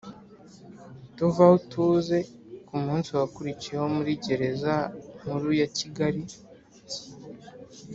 tuve aho tuze kumunsi wakurikiyeho muri gereza nkuru ya kigali